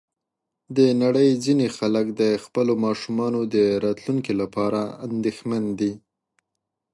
د نړۍ ځینې خلک د خپلو ماشومانو د راتلونکي لپاره اندېښمن دي.